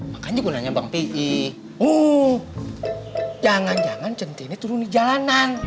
makanya gue nanya bang pi oh jangan jangan cintinny turun di jalanan